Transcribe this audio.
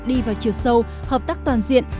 đi vào chiều sâu hợp tác toàn diện